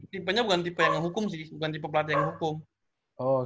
tipenya bukan tipe yang ngukum sih